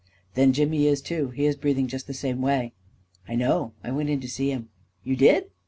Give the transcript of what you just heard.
" Then Jimmy is too —•. he is breathing just the same way." 41 I know — I went in to see him." "You did?"